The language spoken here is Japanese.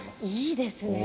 いいですね。